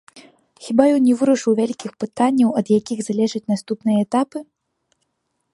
Хіба ён не вырашыў вялікіх пытанняў, ад якіх залежаць наступныя этапы?